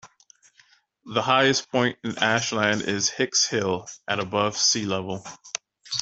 The highest point in Ashland is Hicks Hill, at above sea level.